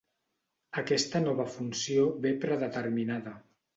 Aquesta nova funció ve predeterminada.